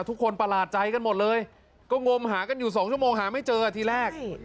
ประหลาดใจกันหมดเลยก็งมหากันอยู่๒ชั่วโมงหาไม่เจอทีแรก